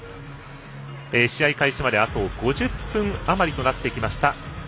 試合開始まで、あと５０分あまりとなってきました